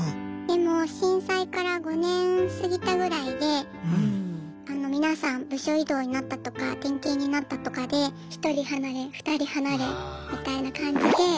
でも震災から５年過ぎたぐらいで皆さん部署異動になったとか転勤になったとかで１人離れ２人離れみたいな感じで。